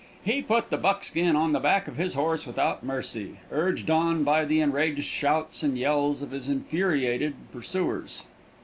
He put the buckskin on the back of his horse without mercy, urged on by the enraged shouts and yells of his infuriated pursuers.